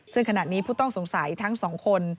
ซึ่งขณะนี้ผู้ต้องสงสัยทั้งสองคน